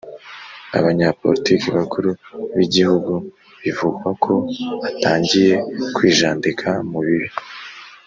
Abanyapolitiki bakuru b Igihugu bivugwa ko batangiye kwijandika mu bibi